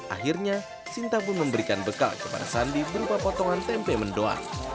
akhirnya sinta pun memberikan bekal kepada sandi berupa potongan tempe mendoa